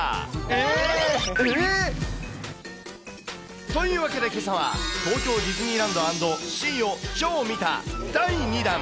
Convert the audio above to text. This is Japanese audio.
えー？というわけで、けさは東京ディズニーランド＆シーを超見た第２弾。